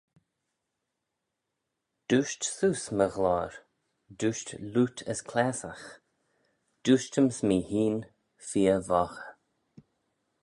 "Dooisht seose, my ghloyr; dooisht lute as chlaasagh: dooisht-yms mee hene feer voghey."